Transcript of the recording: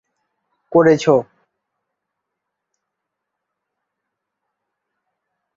তিনি দেশ-বিদেশে বিভিন্ন সম্মেলন ও সেমিনারে অংশগ্রহণ করেন।